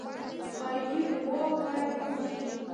خارجي قواوو په اړه پوه شي.